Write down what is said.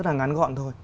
rất là ngắn gọn thôi